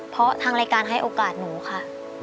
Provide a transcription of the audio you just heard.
เพราะทางรายการให้โอกาสหนูค่ะ